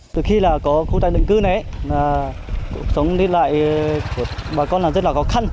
từ khi là có khu tái định cư này cuộc sống đi lại của bà con rất là khó khăn